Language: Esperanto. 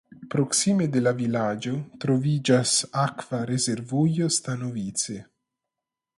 Proksime de la vilaĝo troviĝas akva rezervujo Stanovice.